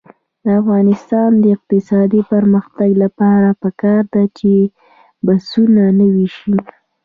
د افغانستان د اقتصادي پرمختګ لپاره پکار ده چې بسونه نوي شي.